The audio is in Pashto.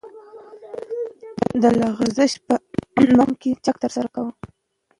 د لغزش په مقابل کې چک ترسره کوو